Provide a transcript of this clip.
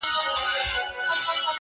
• سړی وایې کورته غل نه دی راغلی..